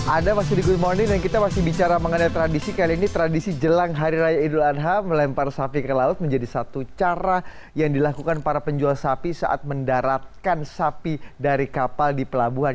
anda masih di good morning dan kita masih bicara mengenai tradisi kali ini tradisi jelang hari raya idul adha melempar sapi ke laut menjadi satu cara yang dilakukan para penjual sapi saat mendaratkan sapi dari kapal di pelabuhan